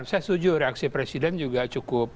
saya setuju reaksi presiden juga cukup